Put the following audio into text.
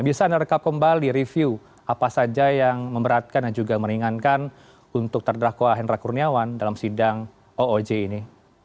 bisa anda rekap kembali review apa saja yang memberatkan dan juga meringankan untuk terdakwa hendra kurniawan dalam sidang ooj ini